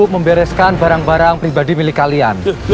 membereskan barang barang pribadi milik kalian